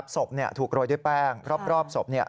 ศพถูกโรยด้วยแป้งรอบศพ